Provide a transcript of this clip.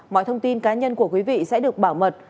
mọi thông tin cá nhân của quý vị sẽ được bảo mật